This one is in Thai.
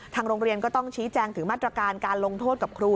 โรงเรียนก็ต้องชี้แจงถึงมาตรการการลงโทษกับครู